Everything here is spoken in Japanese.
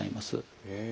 へえ。